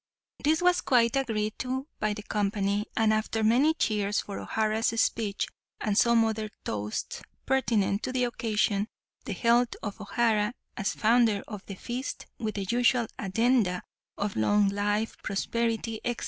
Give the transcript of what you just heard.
This was quite agreed to by the company; and, after many cheers for O'Hara's speech, and some other toasts pertinent to the occasion, the health of O'Hara, as founder of the feast, with the usual addenda of long life, prosperity, etc.